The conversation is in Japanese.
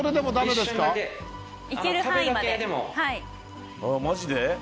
あマジで？